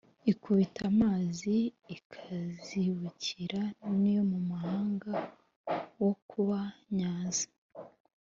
ikubita amazi ika zibukira ni yomuhanga wo kubanyaza »